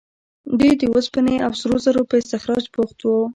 دوی د اوسپنې او سرو زرو په استخراج بوخت وو.